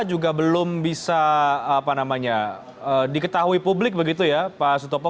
juga belum bisa diketahui publik begitu ya pak sutopo